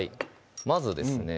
まずですね